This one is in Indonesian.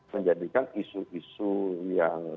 menjadikan isu isu yang